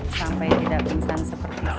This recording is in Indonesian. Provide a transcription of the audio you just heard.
sampai tidak pingsan seperti itu